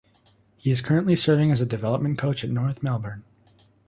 He is currently serving as a development coach at North Melbourne.